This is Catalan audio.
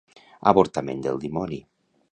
Avortament del dimoni.